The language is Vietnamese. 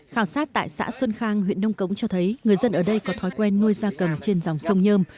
khảo sát tại xã xuân khang huyện nông cống cho thấy người dân ở đây có thói quen nuôi da cầm trên dòng sông nhơm